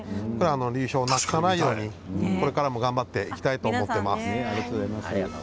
流氷をなくさないようにこれからも頑張っていきたいと思います。